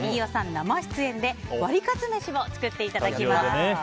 生出演でワリカツめしを作っていただきます。